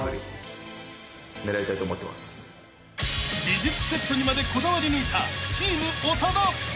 ［美術セットにまでこだわりぬいたチーム長田］